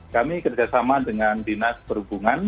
kami kerjasama dengan dinas perhubungan